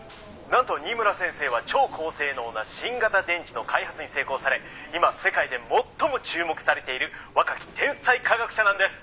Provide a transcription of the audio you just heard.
「なんと新村先生は超高性能な新型電池の開発に成功され今世界で最も注目されている若き天才科学者なんです！」